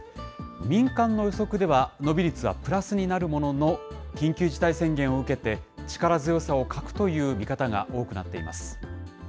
民間の予測では、伸び率はプラスになるものの、緊急事態宣言を受けて、力強さを欠くという見方が多くなっています。